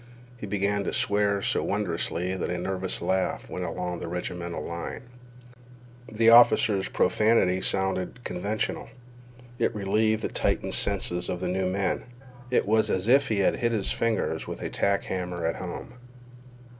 He began to swear so wondrously that a nervous laugh went along the regimental line. The officer's profanity sounded conventional. It relieved the tightened senses of the new men. It was as if he had hit his fingers with a tack hammer at home.